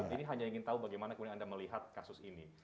ini hanya ingin tahu bagaimana kemudian anda melihat kasus ini